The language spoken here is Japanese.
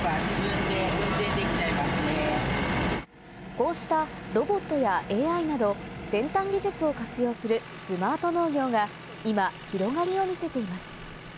こうしたロボットやＡＩなど、先端技術を活用するスマート農業が今、広がりを見せています。